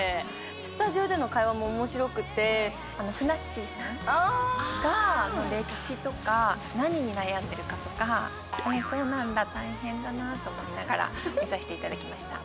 スタジオでの会話もおもしろくって、ふなっしーさんが歴史とか、何に悩んでいるかとか、へー、そうなんだ、大変だと思いながら見させていただきました。